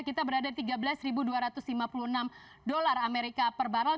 kita berada di tiga belas dua ratus lima puluh enam dolar amerika per barrel